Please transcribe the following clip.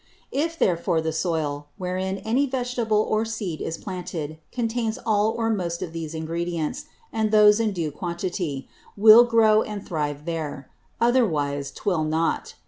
If therefore the Soil, wherein any Vegetable or Seed is planted, contains all or most of these ingredients, and those in due quantity, it will grow and thrive there; otherwise 'twill not.